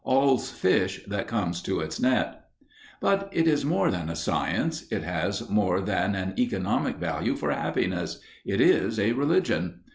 All's fish that comes to its net. But it is more than a science; it has more than an economic value for happiness it is a religion.